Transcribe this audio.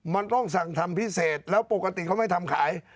มันต้องสั่งทำพิเศษแล้วปกติเขาไม่ทำขาย